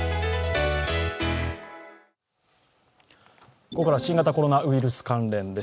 ここからは新型コロナウイルス関連です。